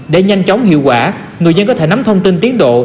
để nhanh chóng hiệu quả người dân có thể nắm thông tin tiến độ